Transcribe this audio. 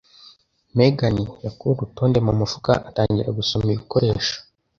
Megan yakuye urutonde mu mufuka atangira gusoma ibikoresho.